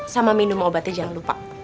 sama minum obatnya jangan lupa